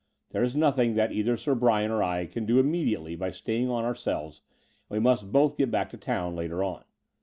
There is nothing that either Sir Bryan or I can do im mediately by staying on ourselves, and we must both get back to town later on.